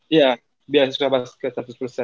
iya beasiswa basket seratus